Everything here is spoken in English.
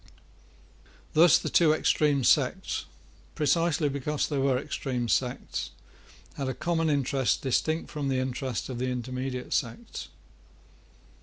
Thus the two extreme sects, precisely because they were extreme sects, had a common interest distinct from the interest of the intermediate sects.